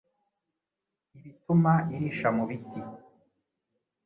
ibituma irisha mu biti.